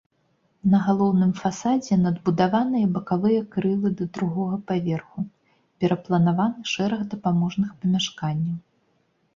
На галоўным фасадзе надбудаваныя бакавыя крылы да другога паверху, перапланаваны шэраг дапаможных памяшканняў.